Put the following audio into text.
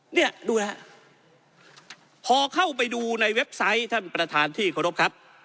เนี่ยดูนะครับพอเข้าไปดูในเว็บไซต์ถ้าเป็นประธานที่รบครับ